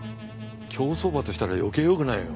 競走馬としたら余計よくないよ。